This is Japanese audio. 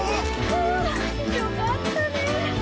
ああよかったね！